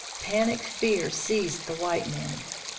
Panic fear seized the white men.